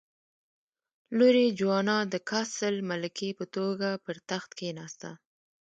لور یې جوانا د کاسټل ملکې په توګه پر تخت کېناسته.